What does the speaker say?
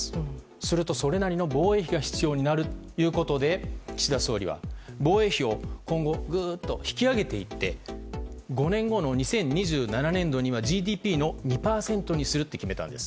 すると、それなりの防衛費が必要になるということで岸田総理は防衛費を今後グーッと引き上げていって５年後の２０２７年度にはＧＤＰの２％にするって決めたんです。